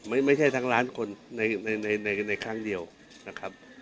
ไม่ใช่ทั้งล้านคนในในครั้งเดียวนะครับ